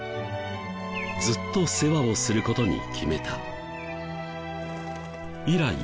ずっと世話をする事に決めた。